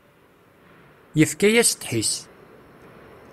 Yefka-yas ddḥis.